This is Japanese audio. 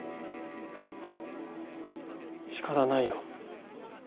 仕方ないよ。